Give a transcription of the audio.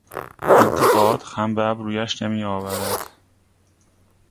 انتقاد خم به ابرویش نمیآورد.